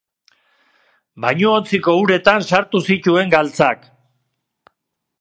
Bainuontziko uretan sartu zituen galtzak.